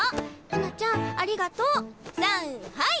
「花ちゃんありがとう」さんはい！